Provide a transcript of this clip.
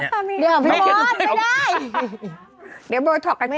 เดี๋ยวพี่บอสไม่ได้